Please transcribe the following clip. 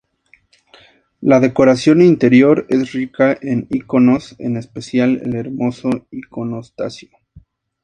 La decoración interior es rica en iconos, en especial el hermoso iconostasio.